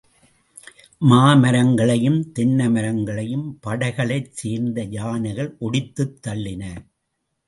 மா மரங்களையும் தென்னை மரங்களையும் படைகளைச் சேர்ந்த யானைகள் ஒடித்துத் தள்ளின.